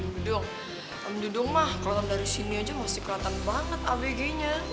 dudung om dudung mah keliatan dari sini aja masih keliatan banget abg nya